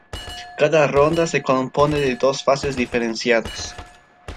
Cada ronda se compone de dos fases diferenciadas.